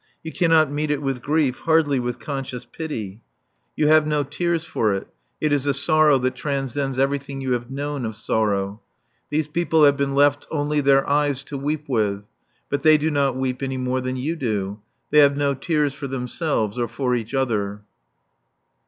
You cannot meet it with grief, hardly with conscious pity; you have no tears for it; it is a sorrow that transcends everything you have known of sorrow. These people have been left "only their eyes to weep with." But they do not weep any more than you do. They have no tears for themselves or for each other.